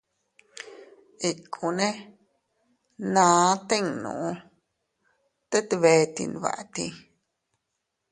Ikkune naa tinnu, tet bee tinbatii.